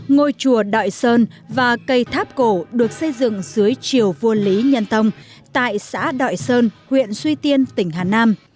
ngôi chùa đại sơn và cây tháp cổ được xây dựng dưới chiều vua lý nhân tông tại xã đội sơn huyện suy tiên tỉnh hà nam